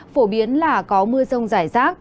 phổ biến là có mưa rông rải rác